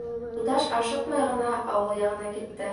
Юлдаш ашыҡмай ғына ауыл яғына китте.